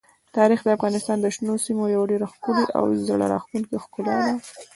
تاریخ د افغانستان د شنو سیمو یوه ډېره ښکلې او زړه راښکونکې ښکلا ده.